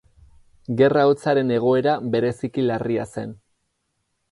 Gerra Hotzaren egoera bereziki larria zen.